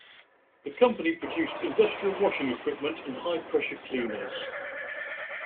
The company produced industrial washing equipment and high pressure cleaners.